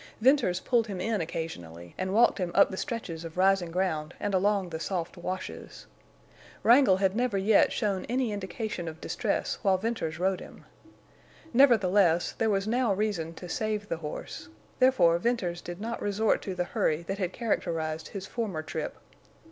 Venters pulled him in occasionally, and walked him up the stretches of rising ground and along the soft washes. Wrangle had never yet shown any indication of distress while Venters rode him. Nevertheless, there was now reason to save the horse, therefore Venters did not resort to the hurry that had characterized his former trip.